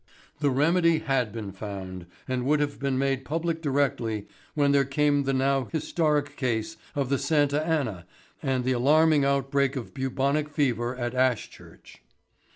"The remedy had been found and would have been made public directly, when there came the now historic case of the Santa Anna and the alarming outbreak of bubonic fever at Ashchurch.